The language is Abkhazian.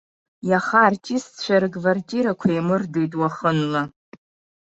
Иаха артистцәа рквартирақәа еимырдеит уахынла.